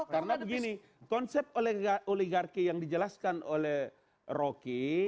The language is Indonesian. karena begini konsep oligarki yang dijelaskan oleh roky